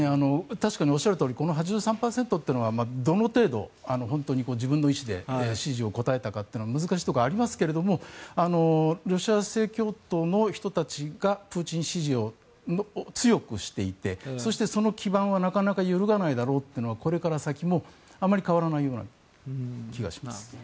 確かにおっしゃるとおり８３％というのはどの程度、本当に自分の意思で支持を答えたかというのは難しいところはありますがロシア正教徒の人たちがプーチン支持を強くしていてそして、その基盤はなかなか揺るがないだろうというのはこれから先もあまり変わらないような気がします。